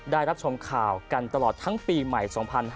ได้รับชมข่าวกันตลอดทั้งปีใหม่๒๕๕๙